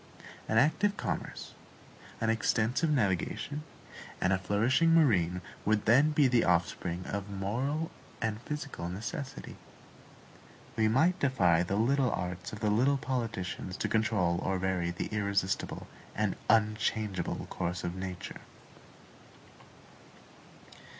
An active commerce, an extensive navigation, and a flourishing marine would then be the offspring of moral and physical necessity. We might defy the little arts of the little politicians to control or vary the irresistible and unchangeable course of nature.